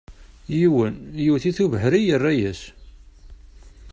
Yiwen, yewwet-it ubeḥri, yerra-yas.